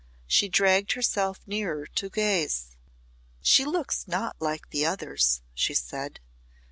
She dragged herself nearer to gaze. "She looks not like the others," she said.